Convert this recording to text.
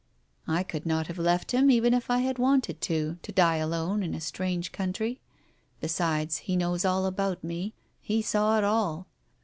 I could not have left him, even if I had wanted to, to die alone in a strange country. Besides, he knows all about me. He saw it all.